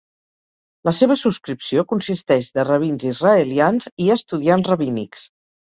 La seva subscripció consisteix de rabins israelians i estudiants rabínics.